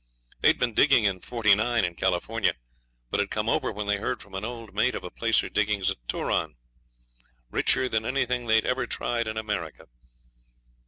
They had been digging in '49 in California, but had come over when they heard from an old mate of a placer diggings at Turon, richer than anything they had ever tried in America.